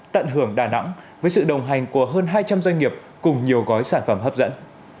tận hưởng đà nẵng với sự đồng hành của hơn hai trăm linh doanh nghiệp cùng nhiều gói sản phẩm hấp dẫn